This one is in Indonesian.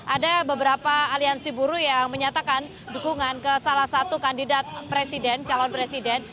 ada beberapa aliansi buruh yang menyatakan dukungan ke salah satu kandidat presiden calon presiden